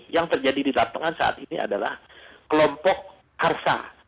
yang terjadi di lapangan saat ini adalah kelompok harsa